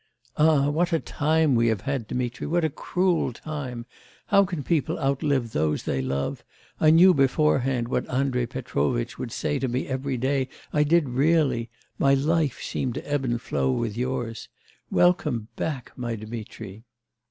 'Ah, what a time we have had, Dmitri, what a cruel time! How can people outlive those they love? I knew beforehand what Andrei Petrovitch would say to me every day, I did really; my life seemed to ebb and flow with yours. Welcome back, my Dmitri!